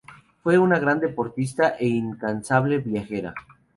Fue una gran deportista e incansable viajera.